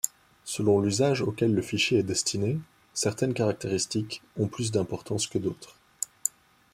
Selon l'usage auquel le fichier est destiné, certaines caractéristiques ont plus d'importance que d'autres.